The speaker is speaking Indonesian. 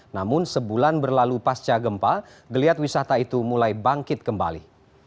namun sebulan berlalu pasca gempa geliat wisata itu mulai bangkit kembali